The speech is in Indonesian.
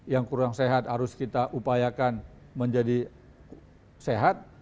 yang kurang sehat harus kita upayakan menjadi sehat